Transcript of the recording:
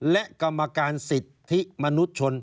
และกรรมการสิทธิมนุษยชน